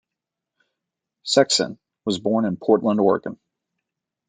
Sexson was born in Portland, Oregon.